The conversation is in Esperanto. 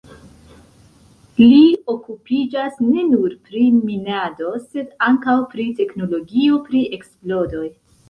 Li okupiĝas ne nur pri minado, sed ankaŭ pri teknologio pri eksplodoj.